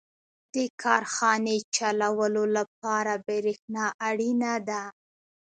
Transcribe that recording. • د کارخانې چلولو لپاره برېښنا اړینه ده.